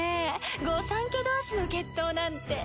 御三家同士の決闘なんて。